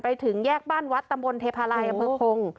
ไปถึงแยกบ้านวัดตำบลเทพลายเผือกพงศ์